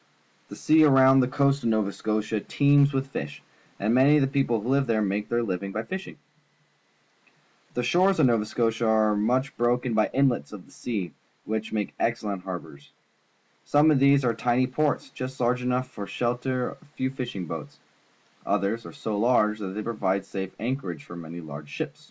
The sea around the coast of Nova Scotia teems with fish, and many of the people who live there make their li\ ing by fishing. The shores of Nova Scotia are much broken by inlets of the sea, which make Fishing Boats, Bay of Fundy excellent harbours. Some of these are tiny ports, just large enough to shelter a few fishing boats; others are so large that they provide safe anchorage for many large ships.